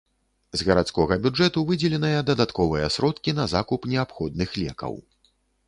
З гарадскога бюджэту выдзеленыя дадатковыя сродкі на закуп неабходных лекаў.